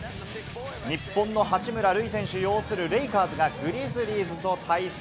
日本の八村塁選手擁する、レイカーズがグリズリーズと対戦。